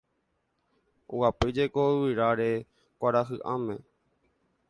Oguapyjeko yvyráre kuarahy'ãme